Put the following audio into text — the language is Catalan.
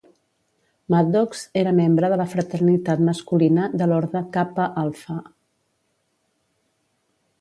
Maddox era membre de la fraternitat masculina de l'orde Kappa Alpha.